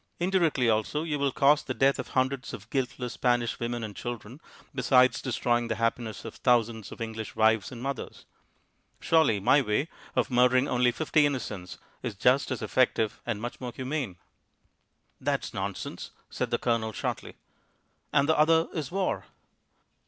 Indirectly also you will cause the death of hundreds of guiltless Spanish women and children, besides destroying the happiness of thousands of English wives and mothers. Surely my way of murdering only fifty innocents is just as effective and much more humane." "That's nonsense," said the Colonel shortly. "And the other is war."